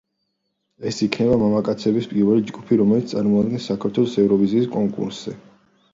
ეს იქნება მამაკაცების პირველი ჯგუფი, რომელიც წარმოადგენს საქართველოს ევროვიზიის კონკურსზე.